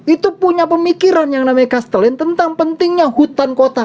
itu punya pemikiran yang namanya castelin tentang pentingnya hutan kota